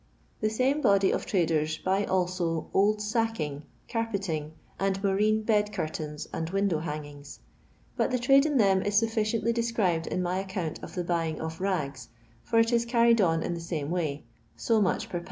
The same body of traders buy also M tacking, earpeHftff, and moreen bed curtains and window hangingtj but the trade in them i« sufficiently described in my account of the buying of rags, for it is carried on in the same way, so much per pound (Id, or l^d.